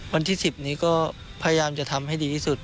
วันที่๑๐นี้ก็พยายามจะทำให้ดีที่สุด